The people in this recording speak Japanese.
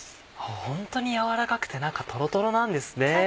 ホントに軟らかくて中トロトロなんですね。